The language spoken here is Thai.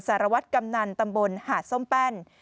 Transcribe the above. สารวัตรกำนันตำบลหาดส้มแป้น